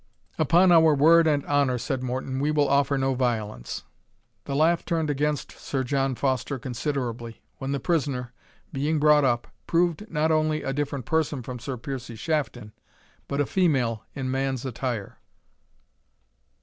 "Upon our word and honour," said Morton, "we will offer no violence." The laugh turned against Sir John Foster considerably, when the prisoner, being brought up, proved not only a different person from Sir Piercie Shafton, but a female in man's attire.